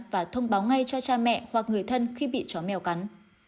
và thông báo ngay cho cha mẹ hoặc người thân khi bị chó mèo cắn